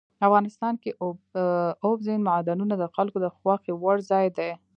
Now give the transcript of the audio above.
افغانستان کې اوبزین معدنونه د خلکو د خوښې وړ ځای دی.